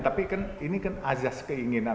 tapi ini kan ajas keinginan